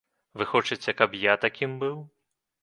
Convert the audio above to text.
Вы хочаце, каб я такім быў?